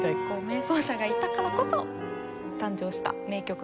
名奏者がいたからこそ誕生した名曲。